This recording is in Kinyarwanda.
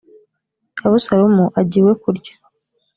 abusalomu ajya iwe kurya